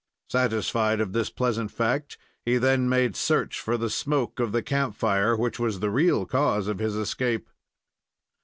Satisfied of this pleasant fact, he then made search for the smoke of the campfire which was the real cause of his escape.